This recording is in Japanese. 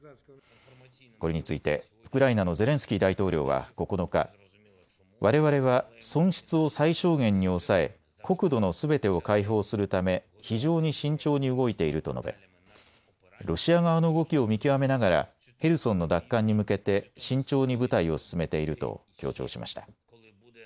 これについてウクライナのゼレンスキー大統領は９日、われわれは損失を最小限に抑え国土のすべてを解放するため非常に慎重に動いていると述べロシア側の動きを見極めながらヘルソンの奪還に向けて慎重に部隊を進めていると強調しました。